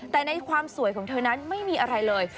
แต่ในความสวยของเธอนั้นไม่มีอะไรเลย